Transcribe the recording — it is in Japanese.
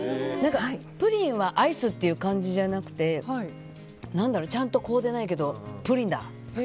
プリンはアイスっていう感じじゃなくてちゃんと凍ってないけどプリンだ。